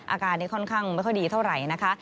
อาการนี้ค่อนข้างไม่ค่อยดีเท่าไหร่นะคะ